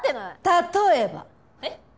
例えば？えっ？